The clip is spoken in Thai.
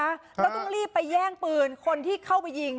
แล้วต้องรีบไปแย่งปืนคนที่เข้าไปยิง